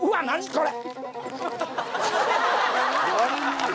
これ！